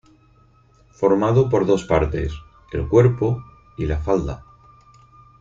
Formado por dos partes: el cuerpo y la falda.